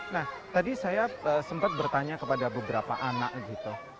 nah tadi saya sempat bertanya kepada beberapa anak gitu